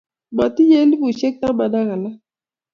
Matinyei elubushek taman alak